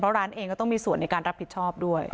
ร้านเองก็ต้องมีส่วนในการรับผิดชอบด้วย